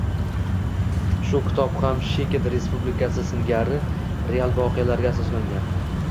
Bu kitob ham Shkid Respublikasi singari real voqealarga asoslangan